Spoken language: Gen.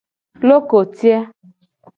Lokoti a.